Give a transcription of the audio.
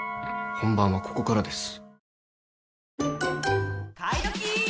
本番はここからです。